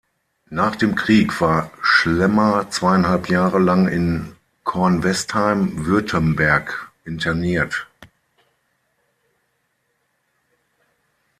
Nach dem Krieg war Schlemmer zweieinhalb Jahre lang in Kornwestheim, Württemberg, interniert.